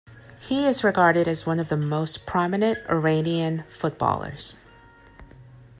He is regarded as one of the most prominent Iranian footballers.